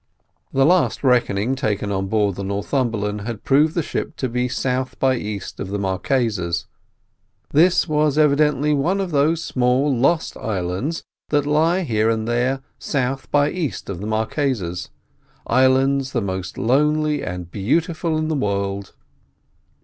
The last reckoning taken on board the Northumberland had proved the ship to be south by east of the Marquesas; this was evidently one of those small, lost islands that lie here and there south by east of the Marquesas. Islands the most lonely and beautiful in the world.